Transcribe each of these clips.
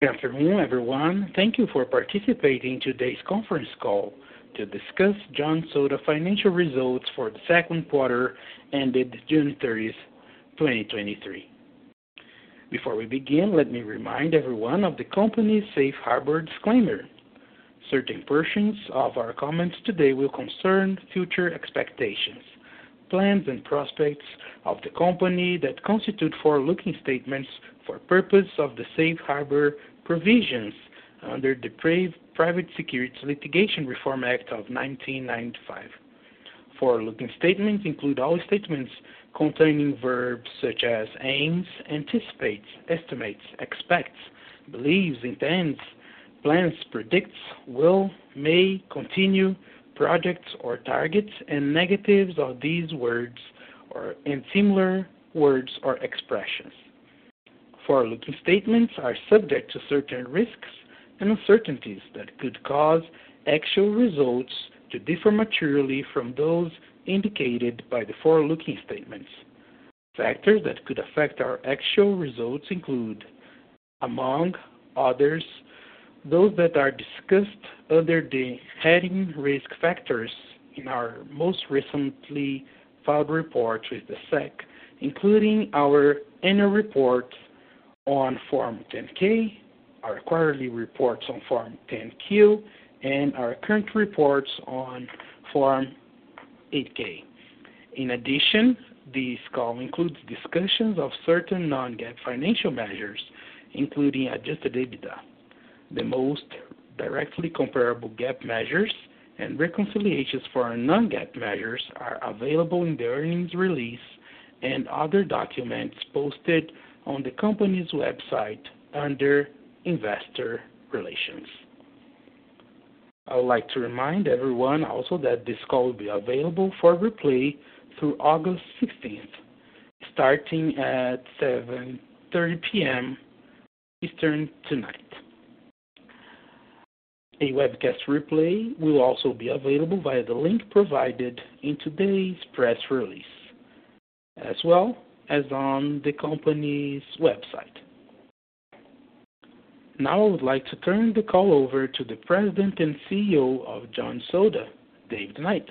Good afternoon, everyone. Thank you for participating in today's conference call to discuss Jones Soda Financial Results for the Second Quarter Ended June 30th, 2023. Before we begin, let me remind everyone of the company's Safe Harbor disclaimer. Certain portions of our comments today will concern future expectations, plans, and prospects of the company that constitute forward-looking statements for purpose of the Safe Harbor provisions under the Private Securities Litigation Reform Act of 1995. Forward-looking statements include all statements containing verbs such as aims, anticipates, estimates, expects, believes, intends, plans, predicts, will, may, continue, projects or targets, and negatives of these words or, and similar words or expressions. Forward-looking statements are subject to certain risks and uncertainties that could cause actual results to differ materially from those indicated by the forward-looking statements. Factors that could affect our actual results include, among others, those that are discussed under the heading Risk Factors in our most recently filed report with the SEC, including our annual report on Form 10-K, our quarterly reports on Form 10-Q, and our current reports on Form 8-K. In addition, this call includes discussions of certain non-GAAP financial measures, including adjusted EBITDA. The most directly comparable GAAP measures and reconciliations for our non-GAAP measures are available in the earnings release and other documents posted on the company's website under Investor Relations. I would like to remind everyone also that this call will be available for replay through August 16th, starting at 7:30 P.M. Eastern tonight. A webcast replay will also be available via the link provided in today's press release, as well as on the company's website. Now, I would like to turn the call over to the President and CEO of Jones Soda, David Knight.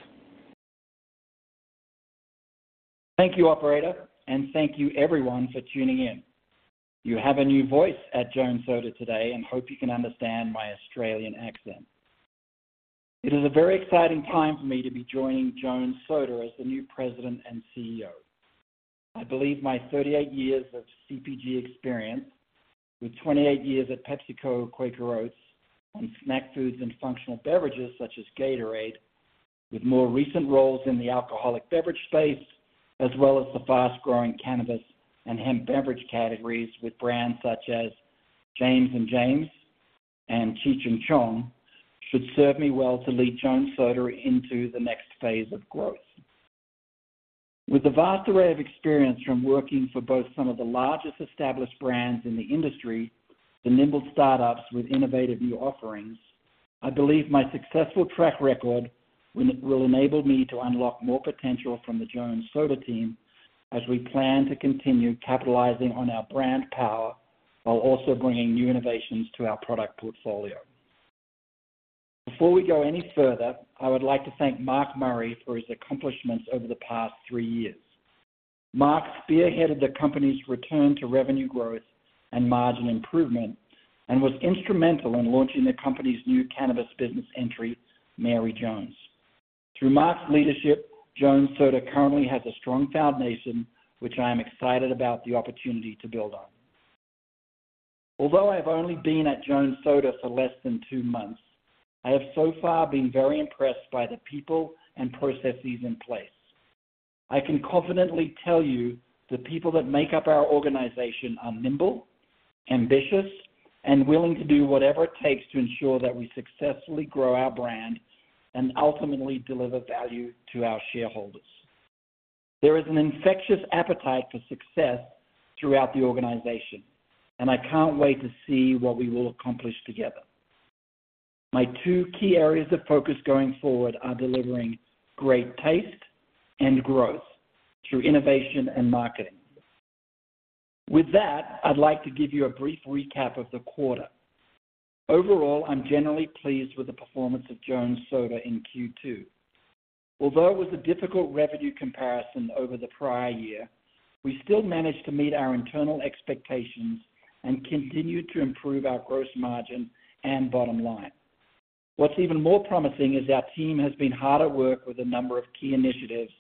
Thank you, operator, thank you everyone for tuning in. You have a new voice at Jones Soda today, hope you can understand my Australian accent. It is a very exciting time for me to be joining Jones Soda as the new President and CEO. I believe my 38 years of CPG experience, with 28 years at PepsiCo, Quaker Oats on snack foods and functional beverages such as Gatorade, with more recent roles in the alcoholic beverage space, as well as the fast-growing cannabis and hemp beverage categories with brands such as James & James and Cheech & Chong, should serve me well to lead Jones Soda into the next phase of growth. With a vast array of experience from working for both some of the largest established brands in the industry to nimble startups with innovative new offerings, I believe my successful track record will enable me to unlock more potential from the Jones Soda team as we plan to continue capitalizing on our brand power while also bringing new innovations to our product portfolio. Before we go any further, I would like to thank Mark Murray for his accomplishments over the past three years. Mark spearheaded the company's return to revenue growth and margin improvement, was instrumental in launching the company's new cannabis business entry, Mary Jones. Through Mark's leadership, Jones Soda currently has a strong foundation, which I am excited about the opportunity to build on. Although I've only been at Jones Soda for less than two months, I have so far been very impressed by the people and processes in place. I can confidently tell you the people that make up our organization are nimble, ambitious, and willing to do whatever it takes to ensure that we successfully grow our brand and ultimately deliver value to our shareholders. There is an infectious appetite for success throughout the organization, and I can't wait to see what we will accomplish together. My two key areas of focus going forward are delivering great taste and growth through innovation and marketing. With that, I'd like to give you a brief recap of the quarter. Overall, I'm generally pleased with the performance of Jones Soda in Q2. Although it was a difficult revenue comparison over the prior year, we still managed to meet our internal expectations and continued to improve our gross margin and bottom line. What's even more promising is our team has been hard at work with a number of key initiatives,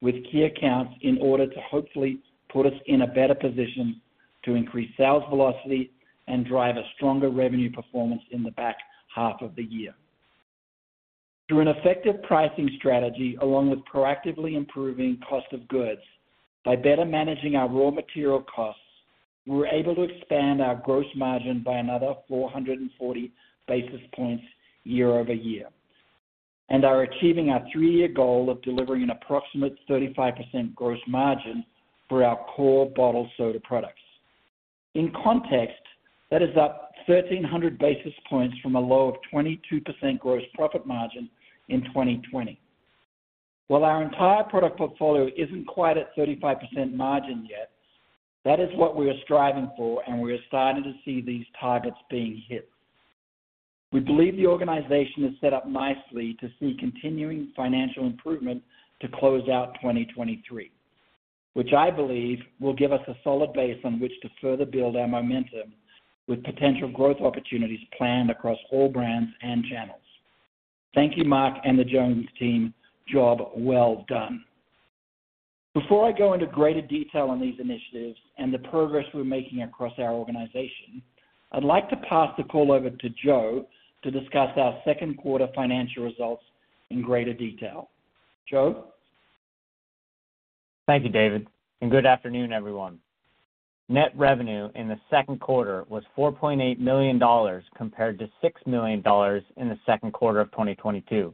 with key accounts, in order to hopefully put us in a better position to increase sales velocity and drive a stronger revenue performance in the back half of the year. Through an effective pricing strategy, along with proactively improving cost of goods by better managing our raw material costs, we were able to expand our gross margin by another 440 basis points year-over-year, and are achieving our three-year goal of delivering an approximate 35% gross margin for our core bottled soda products. In context, that is up 1,300 basis points from a low of 22% gross profit margin in 2020. While our entire product portfolio isn't quite at 35% margin yet, that is what we are striving for, and we are starting to see these targets being hit. We believe the organization is set up nicely to see continuing financial improvement to close out 2023, which I believe will give us a solid base on which to further build our momentum, with potential growth opportunities planned across all brands and channels. Thank you, Mark and the Jones team. Job well done. Before I go into greater detail on these initiatives and the progress we're making across our organization, I'd like to pass the call over to Joe to discuss our second quarter financial results in greater detail. Joe? Thank you, David. Good afternoon, everyone. Net revenue in the second quarter was $4.8 million, compared to $6 million in the second quarter of 2022.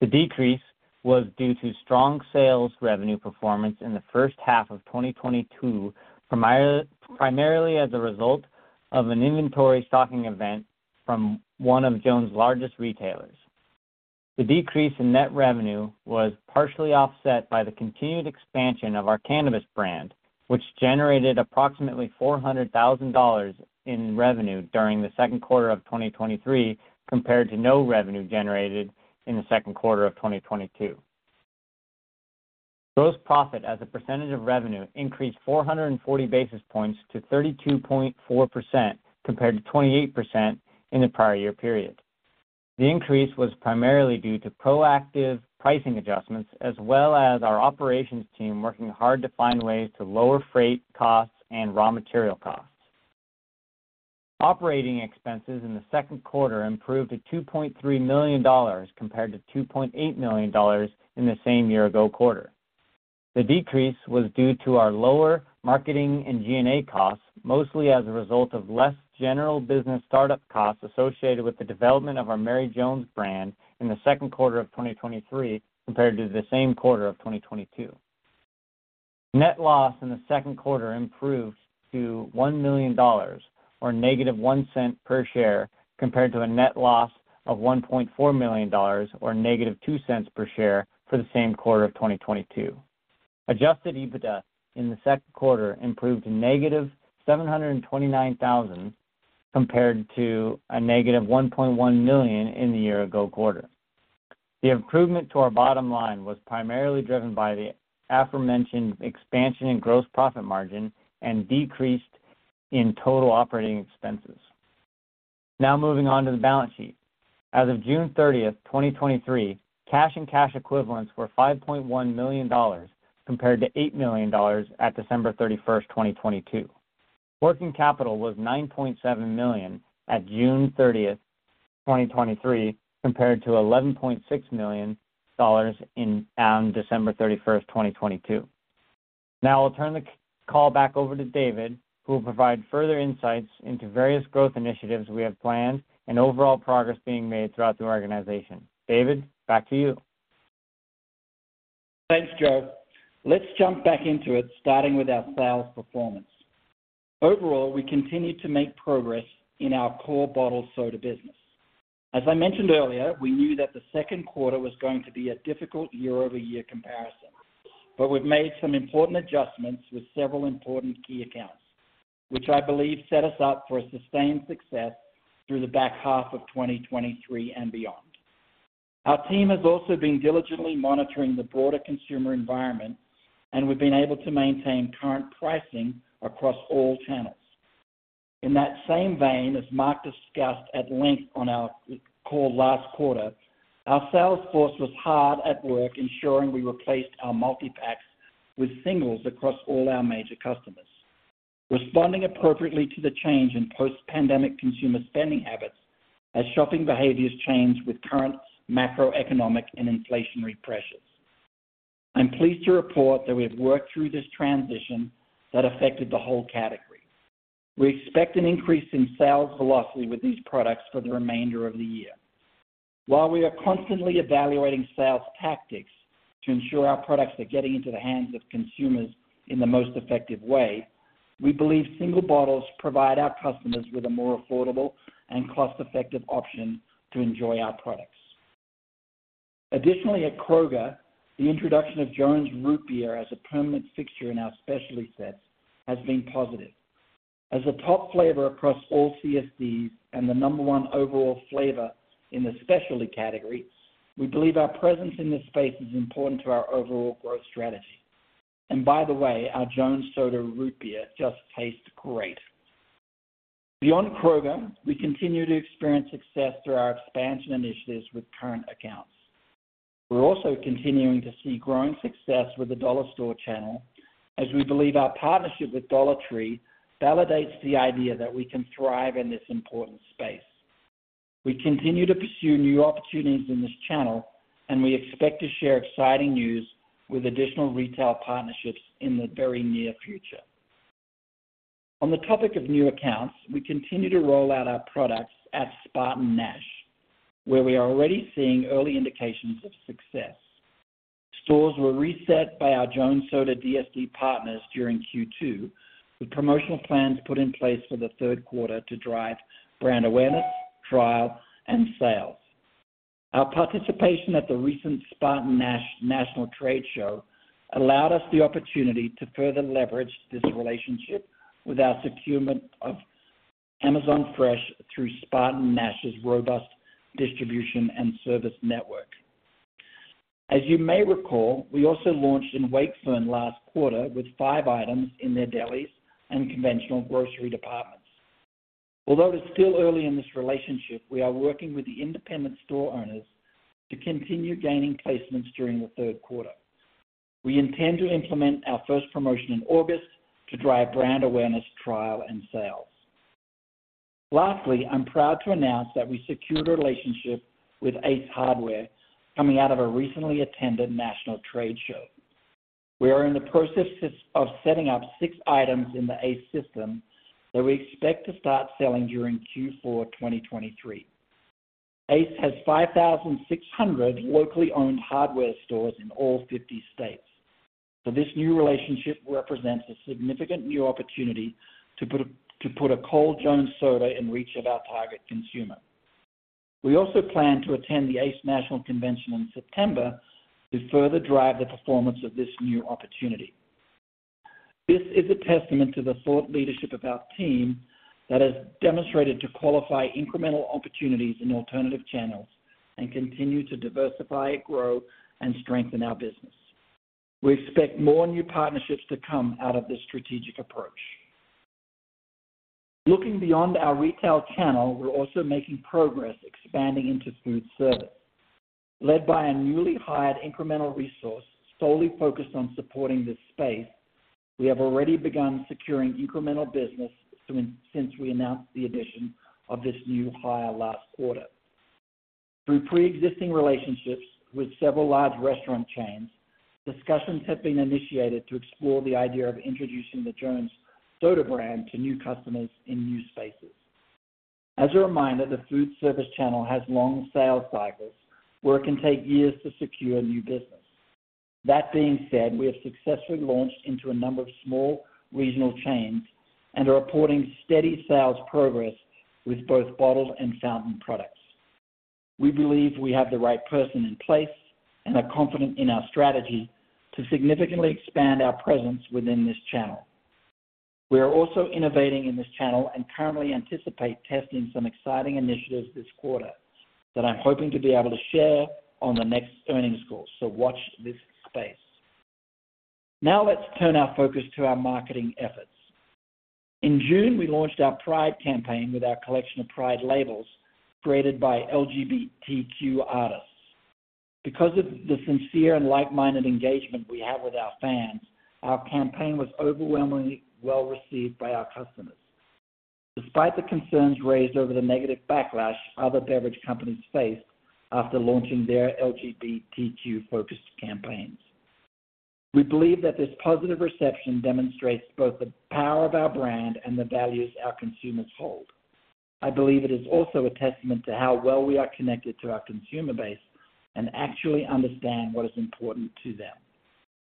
The decrease was due to strong sales revenue performance in the first half of 2022, primarily as a result of an inventory stocking event from one of Jones' largest retailers. The decrease in net revenue was partially offset by the continued expansion of our cannabis brand, which generated approximately $400,000 in revenue during the second quarter of 2023, compared to no revenue generated in the second quarter of 2022. Gross profit as a percentage of revenue increased 440 basis points to 32.4%, compared to 28% in the prior year period. The increase was primarily due to proactive pricing adjustments, as well as our operations team working hard to find ways to lower freight costs and raw material costs. Operating expenses in the second quarter improved to $2.3 million, compared to $2.8 million in the same year ago quarter. The decrease was due to our lower marketing and G&A costs, mostly as a result of less general business startup costs associated with the development of our Mary Jones brand in the second quarter of 2023, compared to the same quarter of 2022. Net loss in the second quarter improved to $1 million, or negative $0.01 per share, compared to a net loss of $1.4 million, or negative $0.02 per share for the same quarter of 2022. Adjusted EBITDA in the second quarter improved to -$729,000, compared to a -$1.1 million in the year ago quarter. The improvement to our bottom line was primarily driven by the aforementioned expansion in gross profit margin and decreased in total operating expenses. Now moving on to the balance sheet. As of June 30, 2023, cash and cash equivalents were $5.1 million, compared to $8 million at December 31, 2022. Working capital was $9.7 million at June 30, 2023, compared to $11.6 million in December 31st, 2022. Now I'll turn the call back over to David, who will provide further insights into various growth initiatives we have planned and overall progress being made throughout the organization. David, back to you. Thanks, Joe. Let's jump back into it, starting with our sales performance. Overall, we continue to make progress in our core bottled soda business. As I mentioned earlier, we knew that the second quarter was going to be a difficult year-over-year comparison, but we've made some important adjustments with several important key accounts, which I believe set us up for a sustained success through the back half of 2023 and beyond. Our team has also been diligently monitoring the broader consumer environment, and we've been able to maintain current pricing across all channels. In that same vein, as Mark discussed at length on our call last quarter, our sales force was hard at work ensuring we replaced our multi-packs with singles across all our major customers, responding appropriately to the change in post-pandemic consumer spending habits as shopping behaviors change with current macroeconomic and inflationary pressures. I'm pleased to report that we have worked through this transition that affected the whole category. We expect an increase in sales velocity with these products for the remainder of the year. While we are constantly evaluating sales tactics to ensure our products are getting into the hands of consumers in the most effective way, we believe single bottles provide our customers with a more affordable and cost-effective option to enjoy our products. Additionally, at Kroger, the introduction of Jones Root Beer as a permanent fixture in our specialty sets has been positive. As a top flavor across all CSDs and the number one overall flavor in the specialty category, we believe our presence in this space is important to our overall growth strategy. By the way, our Jones Soda Root Beer just tastes great. Beyond Kroger, we continue to experience success through our expansion initiatives with current accounts. We're also continuing to see growing success with the dollar store channel, as we believe our partnership with Dollar Tree validates the idea that we can thrive in this important space. We continue to pursue new opportunities in this channel, and we expect to share exciting news with additional retail partnerships in the very near future. On the topic of new accounts, we continue to roll out our products at SpartanNash, where we are already seeing early indications of success. Stores were reset by our Jones Soda DSD partners during Q2, with promotional plans put in place for the third quarter to drive brand awareness, trial, and sales. Our participation at the recent SpartanNash national trade show allowed us the opportunity to further leverage this relationship with our procurement of Amazon Fresh through SpartanNash's robust distribution and service network. As you may recall, we also launched in Wakefern last quarter with five items in their delis and conventional grocery departments. Although it is still early in this relationship, we are working with the independent store owners to continue gaining placements during the third quarter. We intend to implement our first promotion in August to drive brand awareness, trial, and sales. Lastly, I'm proud to announce that we secured a relationship with Ace Hardware coming out of a recently attended national trade show. We are in the process of setting up six items in the Ace system that we expect to start selling during Q4 2023. Ace has 5,600 locally owned hardware stores in all 50 states, this new relationship represents a significant new opportunity to put a cold Jones Soda in reach of our target consumer. We also plan to attend the Ace National Convention in September to further drive the performance of this new opportunity. This is a testament to the thought leadership of our team that has demonstrated to qualify incremental opportunities in alternative channels and continue to diversify, grow, and strengthen our business. We expect more new partnerships to come out of this strategic approach. Looking beyond our retail channel, we're also making progress expanding into foodservice. Led by a newly hired incremental resource solely focused on supporting this space, we have already begun securing incremental business since we announced the addition of this new hire last quarter. Through pre-existing relationships with several large restaurant chains, discussions have been initiated to explore the idea of introducing the Jones Soda brand to new customers in new spaces. As a reminder, the foodservice channel has long sales cycles, where it can take years to secure new business. That being said, we have successfully launched into a number of small regional chains and are reporting steady sales progress with both bottled and fountain products. We believe we have the right person in place and are confident in our strategy to significantly expand our presence within this channel. We are also innovating in this channel and currently anticipate testing some exciting initiatives this quarter, that I'm hoping to be able to share on the next earnings call. Watch this space. Let's turn our focus to our marketing efforts. In June, we launched our Pride campaign with our collection of Pride labels created by LGBTQ artists. Because of the sincere and like-minded engagement we have with our fans, our campaign was overwhelmingly well received by our customers, despite the concerns raised over the negative backlash other beverage companies faced after launching their LGBTQ-focused campaigns. We believe that this positive reception demonstrates both the power of our brand and the values our consumers hold. I believe it is also a testament to how well we are connected to our consumer base and actually understand what is important to them.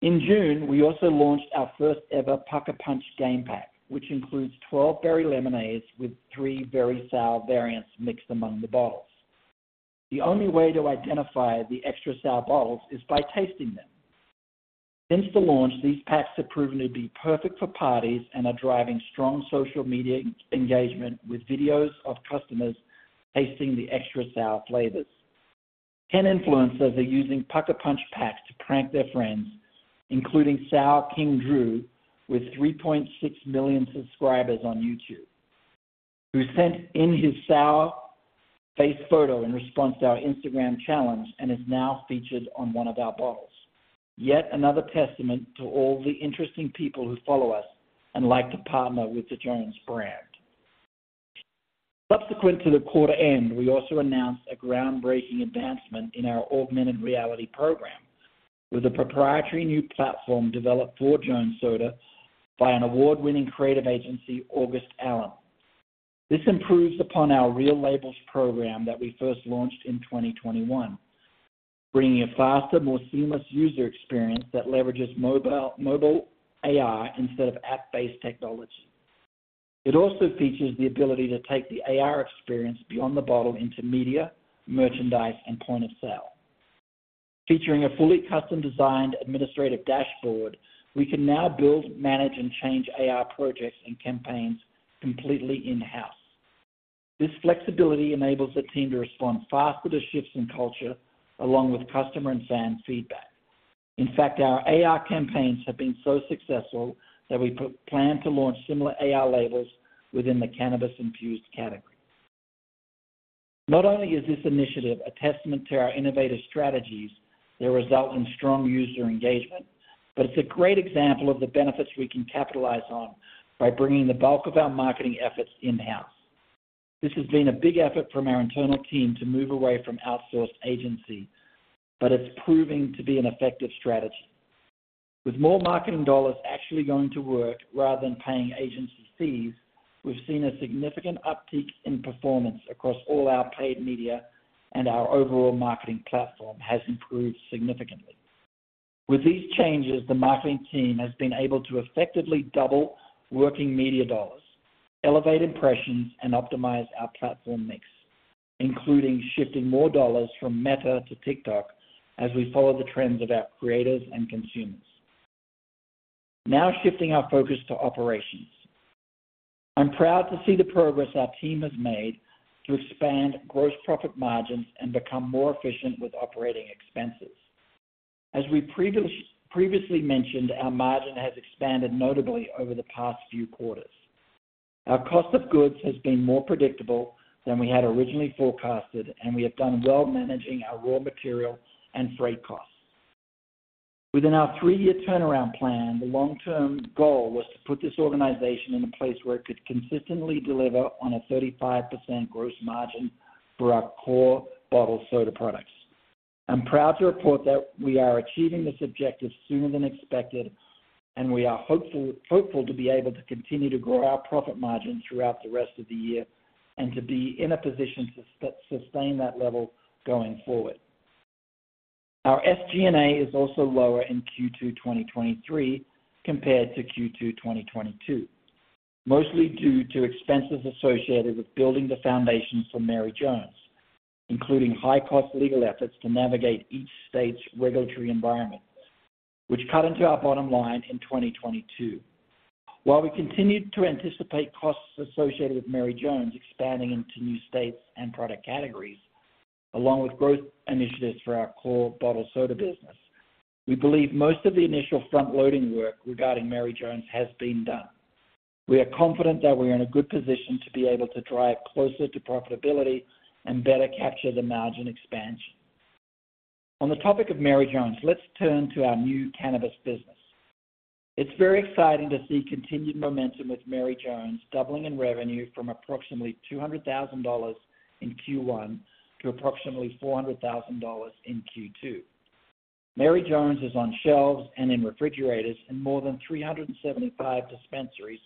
In June, we also launched our first ever Pucker Punch Game Pack, which includes 12 Berry Lemonades with three very sour variants mixed among the bottles. The only way to identify the extra sour bottles is by tasting them. Since the launch, these packs have proven to be perfect for parties and are driving strong social media engagement, with videos of customers tasting the extra sour flavors. 10 influencers are using Pucker Punch Packs to prank their friends, including Sour King Drew, with 3.6 million subscribers on YouTube, who sent in his sour face photo in response to our Instagram challenge and is now featured on one of our bottles. Another testament to all the interesting people who follow us and like to partner with the Jones brand. Subsequent to the quarter end, we also announced a groundbreaking advancement in our augmented reality program with a proprietary new platform developed for Jones Soda by an award-winning creative agency, August Allen. This improves upon our Reel Labels program that we first launched in 2021, bringing a faster, more seamless user experience that leverages mobile, mobile AI instead of app-based technology. It also features the ability to take the AR experience beyond the bottle into media, merchandise, and point of sale. Featuring a fully custom-designed administrative dashboard, we can now build, manage, and change AR projects and campaigns completely in-house. This flexibility enables the team to respond faster to shifts in culture, along with customer and fan feedback. In fact, our AR campaigns have been so successful that we plan to launch similar AR labels within the cannabis-infused category. Not only is this initiative a testament to our innovative strategies that result in strong user engagement, it's a great example of the benefits we can capitalize on by bringing the bulk of our marketing efforts in-house. This has been a big effort from our internal team to move away from outsourced agency, but it's proving to be an effective strategy. With more marketing dollar actually going to work rather than paying agency fees, we've seen a significant uptick in performance across all our paid media. Our overall marketing platform has improved significantly. With these changes, the marketing team has been able to effectively double working media dollars, elevate impressions, and optimize our platform mix, including shifting more dollars from Meta to TikTok as we follow the trends of our creators and consumers. Shifting our focus to operations. I'm proud to see the progress our team has made to expand gross profit margins and become more efficient with operating expenses. As we previously mentioned, our margin has expanded notably over the past few quarters. Our cost of goods has been more predictable than we had originally forecasted, and we have done well managing our raw material and freight costs. Within our three-year turnaround plan, the long-term goal was to put this organization in a place where it could consistently deliver on a 35% gross margin for our core bottled soda products. I'm proud to report that we are achieving this objective sooner than expected, and we are hopeful to be able to continue to grow our profit margin throughout the rest of the year and to be in a position to sustain that level going forward. Our SG&A is also lower in Q2 2023 compared to Q2 2022, mostly due to expenses associated with building the foundation for Mary Jones, including high cost legal efforts to navigate each state's regulatory environment, which cut into our bottom line in 2022. While we continued to anticipate costs associated with Mary Jones expanding into new states and product categories, along with growth initiatives for our core bottled soda business, we believe most of the initial front-loading work regarding Mary Jones has been done. We are confident that we are in a good position to be able to drive closer to profitability and better capture the margin expansion. On the topic of Mary Jones, let's turn to our new cannabis business. It's very exciting to see continued momentum with Mary Jones doubling in revenue from approximately $200,000 in Q1 to approximately $400,000 in Q2. Mary Jones is on shelves and in refrigerators in more than 375 dispensaries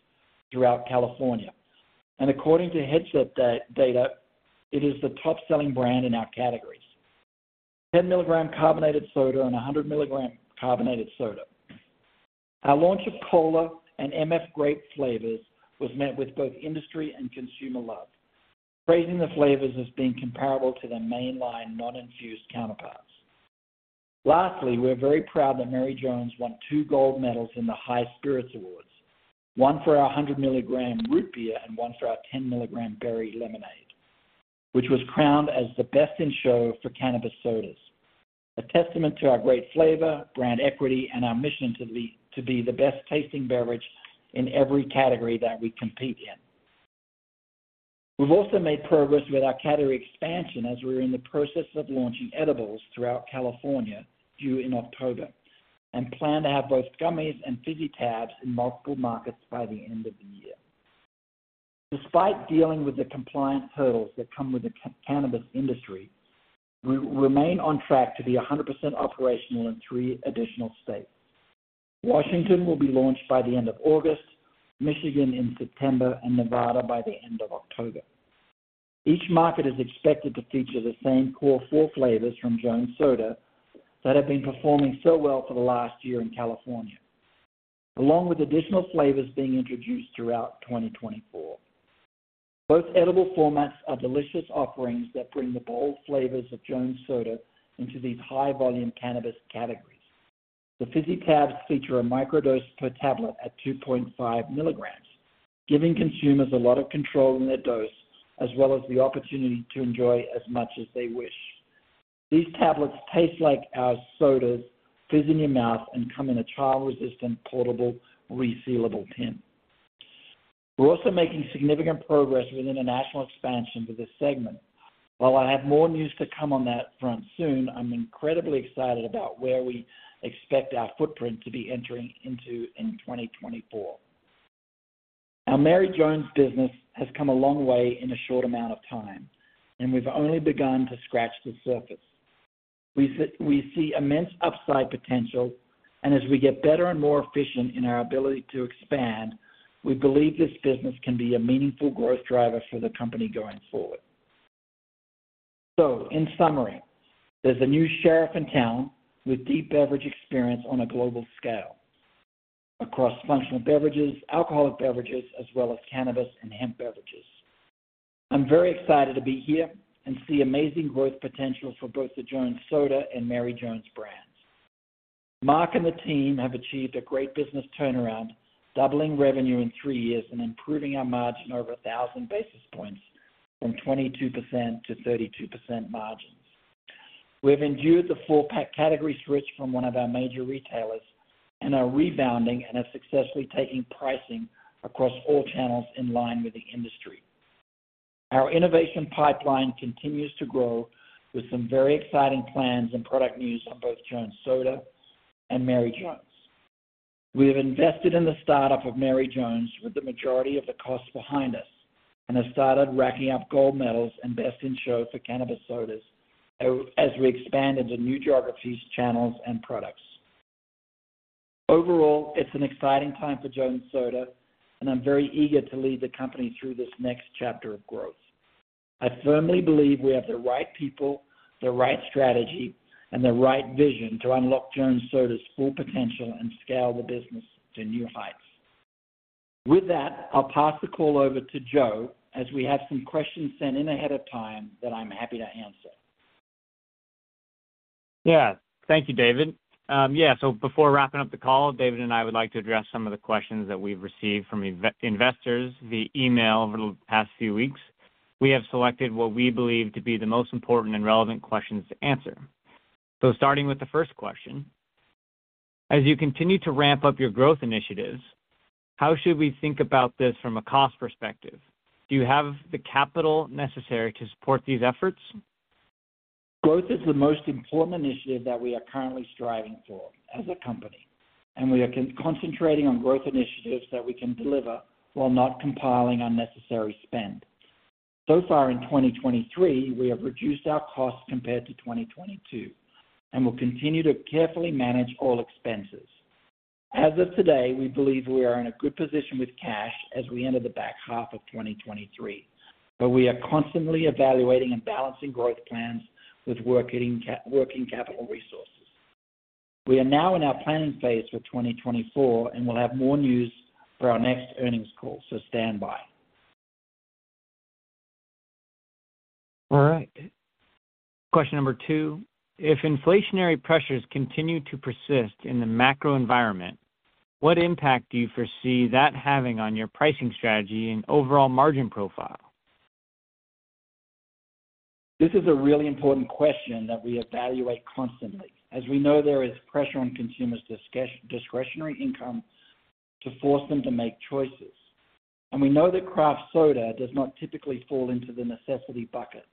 throughout California, and according to Headset Data, it is the top-selling brand in our categories: 10 milligram carbonated soda and 100 milligram carbonated soda. Our launch of Cola and MF Grape flavors was met with both industry and consumer love, praising the flavors as being comparable to their mainline non-infused counterparts. Lastly, we're very proud that Mary Jones won two gold medals in the High Spirits Awards, one for our 100 milligram Root Beer and one for our 10 milligram Berry Lemonade, which was crowned as the Best in Show for cannabis sodas. A testament to our great flavor, brand equity, and our mission to be the best-tasting beverage in every category that we compete in. We've also made progress with our category expansion as we're in the process of launching edibles throughout California due in October, and plan to have both gummies and Fizzy tabs in multiple markets by the end of the year. Despite dealing with the compliance hurdles that come with the cannabis industry, we remain on track to be 100% operational in three additional states. Washington will be launched by the end of August, Michigan in September, and Nevada by the end of October. Each market is expected to feature the same core four flavors from Jones Soda that have been performing so well for the last year in California, along with additional flavors being introduced throughout 2024. Both edible formats are delicious offerings that bring the bold flavors of Jones Soda into these high-volume cannabis categories. The Fizzy Tabs feature a microdose per tablet at 2.5 milligrams, giving consumers a lot of control in their dose, as well as the opportunity to enjoy as much as they wish. These tablets taste like our sodas, fizz in your mouth, and come in a child-resistant, portable, resealable tin. We're also making significant progress with international expansion for this segment. While I have more news to come on that front soon, I'm incredibly excited about where we expect our footprint to be entering into in 2024. Our Mary Jones business has come a long way in a short amount of time, and we've only begun to scratch the surface. We see immense upside potential, and as we get better and more efficient in our ability to expand, we believe this business can be a meaningful growth driver for the company going forward. In summary, there's a new sheriff in town with deep beverage experience on a global scale across functional beverages, alcoholic beverages, as well as cannabis and hemp beverages. I'm very excited to be here and see amazing growth potential for both the Jones Soda and Mary Jones brands. Mark and the team have achieved a great business turnaround, doubling revenue in three years and improving our margin over 1,000 basis points from 22%-32% margins. We've endured the full pack category switch from one of our major retailers and are rebounding and are successfully taking pricing across all channels in line with the industry. Our innovation pipeline continues to grow with some very exciting plans and product news on both Jones Soda and Mary Jones. We have invested in the startup of Mary Jones with the majority of the costs behind us, and have started racking up gold medals and Best in Show for cannabis sodas as we expand into new geographies, channels, and products. Overall, it's an exciting time for Jones Soda, and I'm very eager to lead the company through this next chapter of growth. I firmly believe we have the right people, the right strategy, and the right vision to unlock Jones Soda's full potential and scale the business to new heights. With that, I'll pass the call over to Joe, as we have some questions sent in ahead of time that I'm happy to answer. Yeah. Thank you, David. Yeah, before wrapping up the call, David and I would like to address some of the questions that we've received from investors via email over the past few weeks. We have selected what we believe to be the most important and relevant questions to answer. Starting with the first question: As you continue to ramp up your growth initiatives, how should we think about this from a cost perspective? Do you have the capital necessary to support these efforts? Growth is the most important initiative that we are currently striving for as a company, and we are concentrating on growth initiatives that we can deliver while not compiling unnecessary spend. So far in 2023, we have reduced our costs compared to 2022 and will continue to carefully manage all expenses. As of today, we believe we are in a good position with cash as we enter the back half of 2023, but we are constantly evaluating and balancing growth plans with working capital resources. We are now in our planning phase for 2024, and we'll have more news for our next earnings call, so stand by. All right. Question number two: If inflationary pressures continue to persist in the macro environment, what impact do you foresee that having on your pricing strategy and overall margin profile? This is a really important question that we evaluate constantly. As we know, there is pressure on consumers' discretionary income to force them to make choices. We know that craft soda does not typically fall into the necessity bucket.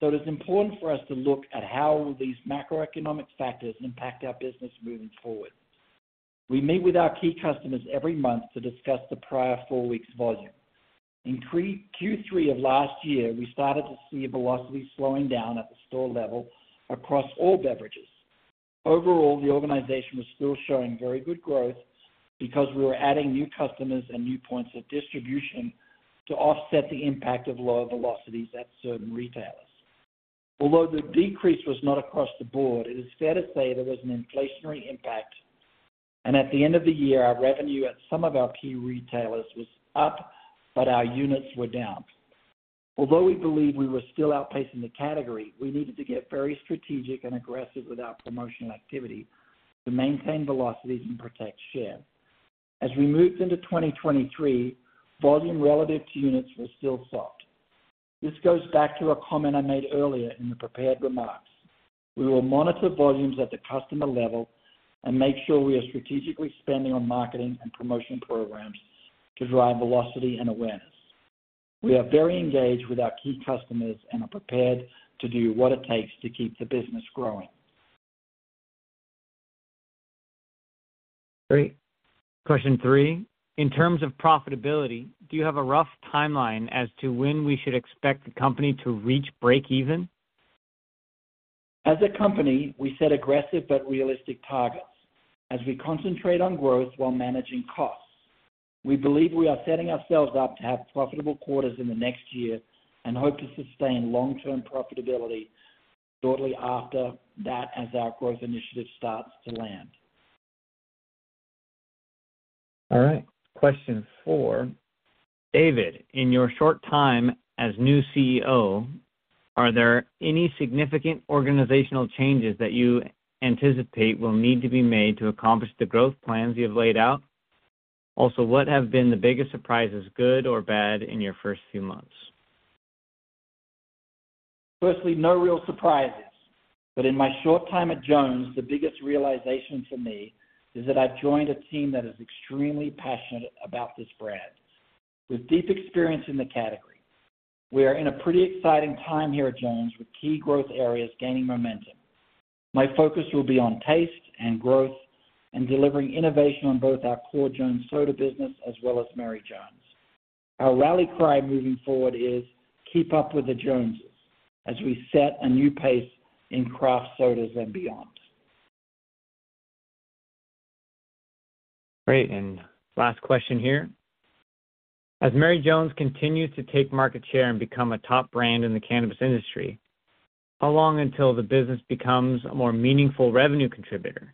It is important for us to look at how these macroeconomic factors impact our business moving forward. We meet with our key customers every month to discuss the prior four weeks' volume. In Q3 of last year, we started to see velocity slowing down at the store level across all beverages. Overall, the organization was still showing very good growth because we were adding new customers and new points of distribution to offset the impact of lower velocities at certain retailers. Although the decrease was not across the board, it is fair to say there was an inflationary impact, and at the end of the year, our revenue at some of our key retailers was up, but our units were down. Although we believe we were still outpacing the category, we needed to get very strategic and aggressive with our promotional activity to maintain velocities and protect share. As we moved into 2023, volume relative to units was still soft. This goes back to a comment I made earlier in the prepared remarks. We will monitor volumes at the customer level and make sure we are strategically spending on marketing and promotion programs to drive velocity and awareness. We are very engaged with our key customers and are prepared to do what it takes to keep the business growing. Great. Question three: In terms of profitability, do you have a rough timeline as to when we should expect the company to reach breakeven? As a company, we set aggressive but realistic targets as we concentrate on growth while managing costs. We believe we are setting ourselves up to have profitable quarters in the next year and hope to sustain long-term profitability shortly after that, as our growth initiative starts to land. All right. Question four: David, in your short time as new CEO, are there any significant organizational changes that you anticipate will need to be made to accomplish the growth plans you have laid out? Also, what have been the biggest surprises, good or bad, in your first few months? Firstly, no real surprises, but in my short time at Jones, the biggest realization for me is that I've joined a team that is extremely passionate about this brand, with deep experience in the category. We are in a pretty exciting time here at Jones, with key growth areas gaining momentum. My focus will be on taste and growth and delivering innovation on both our core Jones Soda business as well as Mary Jones. Our rally cry moving forward is "Keep up with the Joneses" as we set a new pace in craft sodas and beyond. Great, last question here: As Mary Jones continues to take market share and become a top brand in the cannabis industry, how long until the business becomes a more meaningful revenue contributor?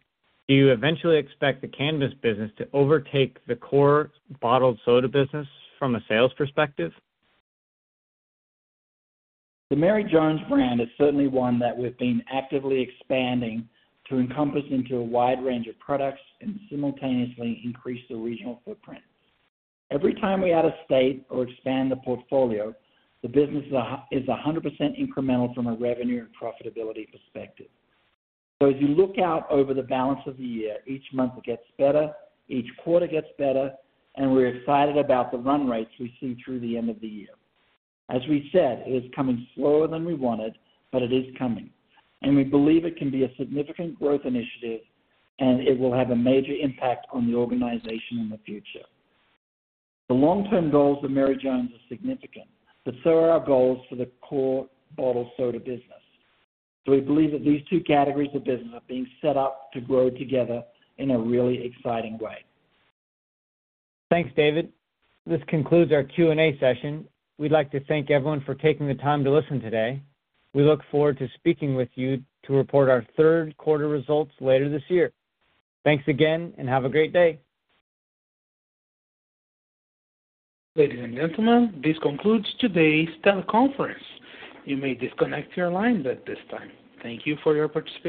Do you eventually expect the cannabis business to overtake the core bottled soda business from a sales perspective? The Mary Jones brand is certainly one that we've been actively expanding to encompass into a wide range of products and simultaneously increase the regional footprint. Every time we add a state or expand the portfolio, the business is a 100% incremental from a revenue and profitability perspective. As you look out over the balance of the year, each month gets better, each quarter gets better, and we're excited about the run rates we see through the end of the year. As we said, it is coming slower than we wanted, but it is coming, and we believe it can be a significant growth initiative, and it will have a major impact on the organization in the future. The long-term goals of Mary Jones are significant, but so are our goals for the core bottled soda business. We believe that these two categories of business are being set up to grow together in a really exciting way. Thanks, David. This concludes our Q&A session. We'd like to thank everyone for taking the time to listen today. We look forward to speaking with you to report our third quarter results later this year. Thanks again, and have a great day. Ladies and gentlemen, this concludes today's teleconference. You may disconnect your lines at this time. Thank you for your participation.